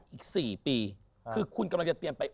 อีก๔ปีคือคุณกำลังจะเตรียมไป